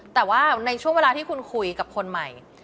แต่ว่าในช่วงเวลาที่คุณคุยกับคนใหม่